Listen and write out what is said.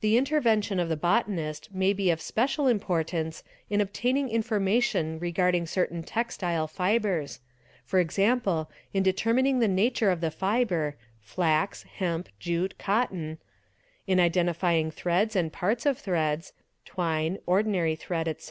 The intervention of the botanist may be of special importance in obtaining information regarding certain textile fibres; e.g., in determin 'ing the nature of the fibre (flax, hemp, jute, cotton) ; in identifying 'threads and parts of threads (twine, ordinary thread, &c.)